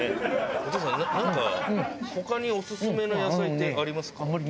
お父さんなんか他にオススメの野菜ってありますか？